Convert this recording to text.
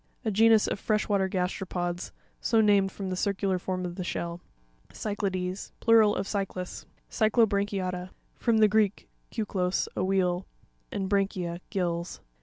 A genus of fresh water gasteropods, so named from the circular form of the shell. Cy'ciapEes.—Plural of cyclas. Cy'cLoprancui'aTa.—From the Greek, kuklos, a wheel, and bragcaia, gills.